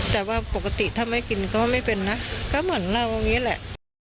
แต่ว่าปกติถ้าไม่กินก็ไม่เป็นนะก็เหมือนเราอย่างนี้แหละ